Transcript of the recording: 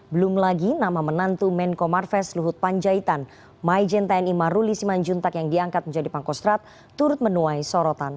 belum lagi nama menantu menko marves luhut panjaitan maijen tni maruli simanjuntak yang diangkat menjadi pangkostrat turut menuai sorotan